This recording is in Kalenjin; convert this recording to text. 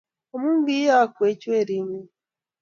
Amu ki'yokwech We-ring'ung'